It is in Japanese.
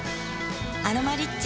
「アロマリッチ」